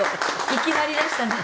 いきなりでしたので。